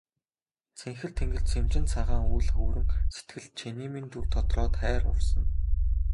Цэнхэр тэнгэрт сэмжин цагаан үүл хөврөн сэтгэлд чиний минь дүр тодроод хайр урсана.